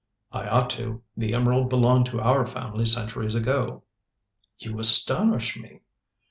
"I ought to. The emerald belonged to our family centuries ago." "You astonish me."